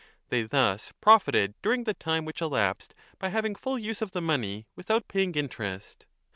They 10 thus profited during the time which elapsed by having full use of the money without paying interest.